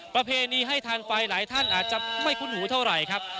ประเพณีให้ทานไฟหลายท่านอาจจะไม่คุ้นหูเท่าไหร่ครับ